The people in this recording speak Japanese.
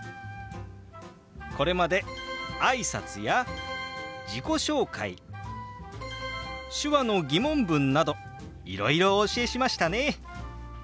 これまで挨拶や自己紹介手話の疑問文などいろいろお教えしましたね。